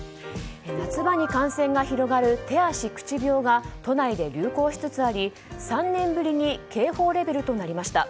夏場に感染が広がる手足口病が都内で流行しつつあり３年ぶりに警報レベルとなりました。